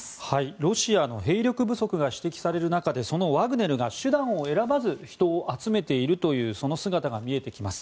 ロシアの兵力不足が指摘される中でそのワグネルが手段を選ばず人を集めているというその姿が見えてきます。